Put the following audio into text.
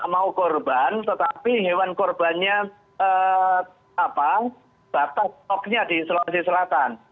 mau korban tetapi hewan korbannya batas stoknya di sulawesi selatan